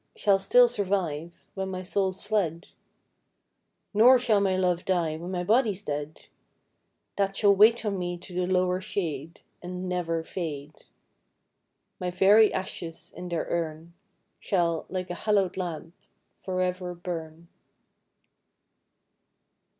Shall still survive Wlien my soul's fled ; Nor shall my love die, when ray Ijody's dead ; That shall wait on me to the lower shade, And never fade : My very ashes in their urn Shall, like a hallowed lamp, for ever burn.